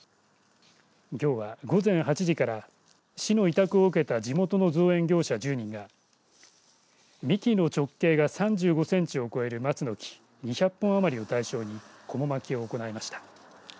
きょうは午前８時から市の委託を受けた地元の造園業者１０人が幹の直径が３５センチを超える松の木２００本余りを対象にこも巻きを行いました。